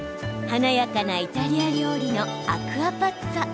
華やかなイタリア料理のアクアパッツァ。